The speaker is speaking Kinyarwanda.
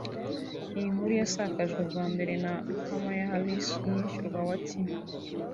Iyi nkuru yasakajwe bwa mbere na Kamaya Harris umwishywa wa T